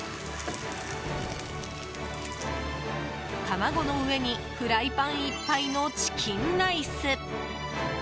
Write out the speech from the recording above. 卵の上にフライパンいっぱいのチキンライス。